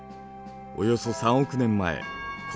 およそ３億年前古